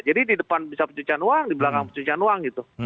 jadi di depan bisa pencucian uang di belakang pencucian uang gitu